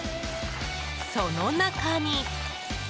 その中に。